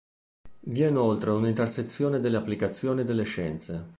Vi è inoltre un'intersezione delle applicazioni delle scienze.